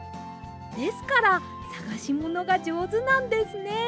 ですからさがしものがじょうずなんですね。